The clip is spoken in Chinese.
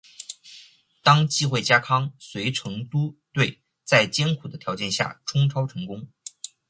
当季惠家康随成都队在艰苦的条件下冲超成功。